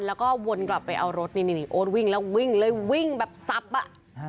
แล้วก็วนกลับไปเอารถนี่นี่โอ๊ตวิ่งแล้ววิ่งเลยวิ่งแบบสับอ่ะ